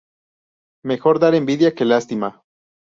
Mejor dar envidia que lástima